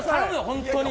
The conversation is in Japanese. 本当に！